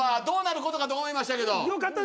どうなることかと思いましたけど。